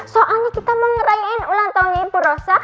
soalnya kita mau ngerayain ulang tahun ini bu rosa